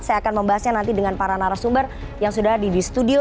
saya akan membahasnya nanti dengan para narasumber yang sudah ada di studio